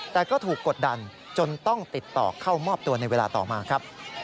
แต่ก็ถูกกดดันจนต้องติดต่อเข้ามอบตัวในเวลาต่อมาครับ